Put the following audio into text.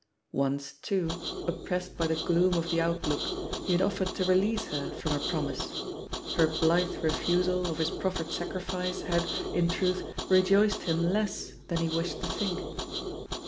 Once, too, oppressed by the gloom of the outlook, he had offered to release her from her promise; her blithe refusal of his proffered sacrifice had, in truth, rejoiced him less than he wished to think.